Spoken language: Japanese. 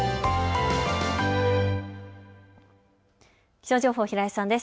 気象情報、平井さんです。